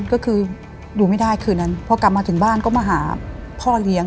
ก็คืออยู่ไม่ได้คืนนั้นพอกลับมาถึงบ้านก็มาหาพ่อเลี้ยง